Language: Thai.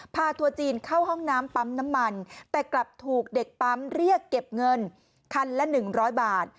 ทัวร์จีนเข้าห้องน้ำปั๊มน้ำมันแต่กลับถูกเด็กปั๊มเรียกเก็บเงินคันละ๑๐๐บาท